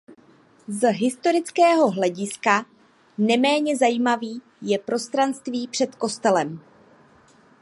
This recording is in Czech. Z historického hlediska neméně zajímavým je prostranství před kostelem.